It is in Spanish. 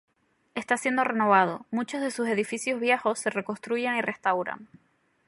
Está siendo renovado, muchos de sus edificios viejos se reconstruyen y restauran.